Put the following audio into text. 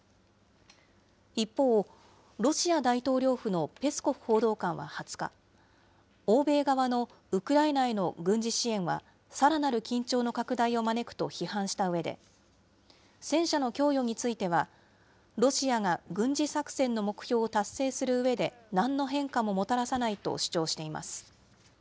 一方、ロシア大統領府のペスコフ報道官は２０日、欧米側のウクライナへの軍事支援は、さらなる緊張の拡大を招くと批判したうえで、戦車の供与については、ロシアが軍事作戦の目標を達成するうえでなんの変化ももたらさないと主張しています。